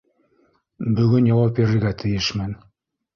Бөгөн яуап бирергә тейешмен.